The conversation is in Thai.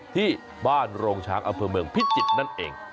ที่บ้านโรงช้างอำเภอเมืองพิจิตรนั่นเอง